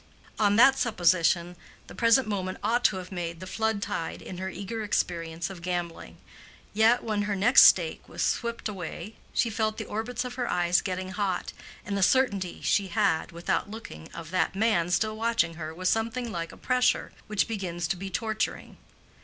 On that supposition the present moment ought to have made the flood tide in her eager experience of gambling. Yet, when her next stake was swept away, she felt the orbits of her eyes getting hot, and the certainty she had (without looking) of that man still watching her was something like a pressure which begins to be torturing.